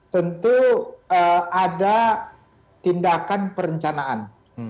tentu ada tindakan perencanaan